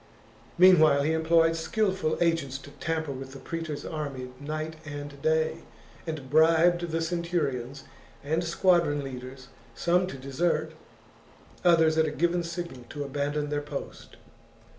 ] Mean while he employed skilful agents to tamper with the praetor's army night and day, and bribed the centur ions and squadron leaders, some to desert, others at a given signal to abandon their post.